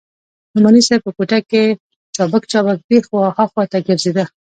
نعماني صاحب په کوټه کښې چابک چابک دې خوا ها خوا ګرځېده.